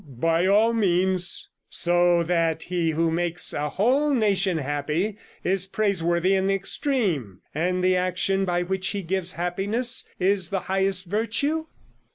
' 'By all means.' 'So that he who makes a whole nation happy is praiseworthy in the extreme, and the action by which he gives happiness is the highest virtue?'